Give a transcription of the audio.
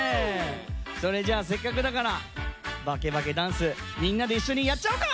それじゃせっかくだからバケバケダンスみんなでいっしょにやっちゃおうか！